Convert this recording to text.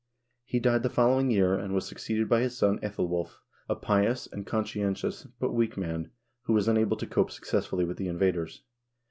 He died the following year, and was succeeded by his son jfEthelwulf, a pious and conscientious, but weak man, who was unable to cope success fully with the invaders.